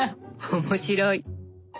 面白い！